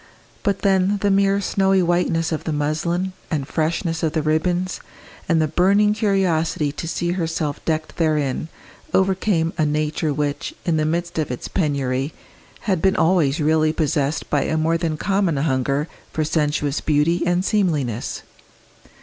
But then the mere snowy whiteness of the muslin and freshness of the ribbons, and the burning curiosity to see herself decked therein, overcame a nature which, in the midst of its penury, had been always really possessed by a more than common hunger for sensuous beauty and seemliness.